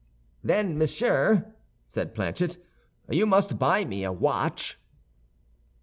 "Then, monsieur," said Planchet, "you must buy me a watch."